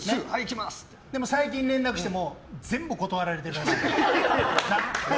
でも最近、連絡しても全部断られてるらしいです。